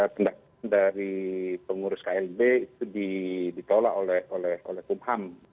pendakwaan dari pengurus klb itu ditolak oleh kub ham